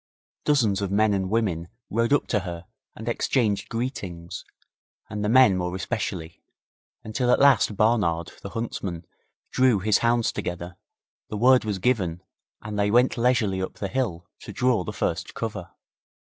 Dozens of men and women rode up to her and exchanged greetings, the men more especially, until at last Barnard, the huntsman, drew his hounds together, the word was given, and they went leisurely up the hill to draw the first cover.